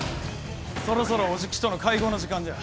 そろそろオジキとの会合の時間じゃ。